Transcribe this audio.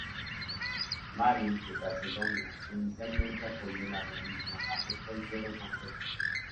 Maris de Calcedonia, que inicialmente apoyó el arrianismo, aceptó el credo completo.